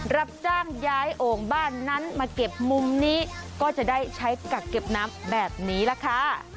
รับตั้งย้ายองค์บ้านมาเก็บมุมนี้ก็จะได้ใช้กระเก็บน้ำแบบนี้ล่ะค่ะ